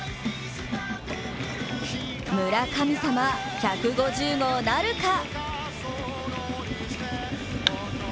村神様、１５０号なるか！？